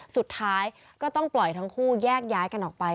สุดท้ายก็ต้องปล่อยทั้งคู่แยกย้ายกันออกไป